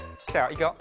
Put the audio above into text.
いくよ。